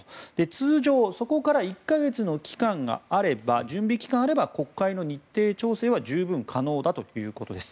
通常、そこから１か月の準備期間があれば国会の日程調整は十分可能だということです。